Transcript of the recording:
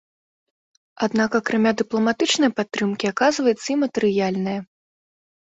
Аднак акрамя дыпламатычнай падтрымкі, аказваецца і матэрыяльная.